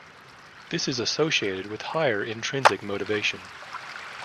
This is associated with higher intrinsic motivation.